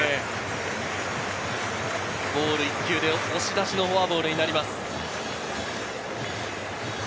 ボール１球で押し出しのフォアボールになります。